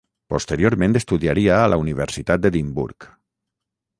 Posteriorment estudiaria a la Universitat d'Edimburg.